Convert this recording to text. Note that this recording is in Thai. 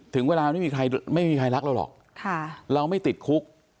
ถึงเวลาไม่มีใครไม่มีใครรักเราหรอกเราไม่ติดคุก